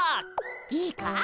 いいか？